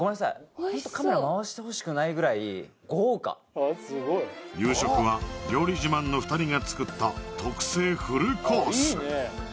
ホントカメラ回してほしくないぐらい豪華夕食は料理自慢の２人が作った特製フルコース